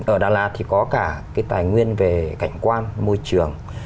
ở đà lạt thì có cả cái tài nguyên về cảnh quan môi trường